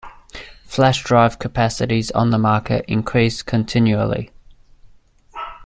Flash drive capacities on the market increase continually.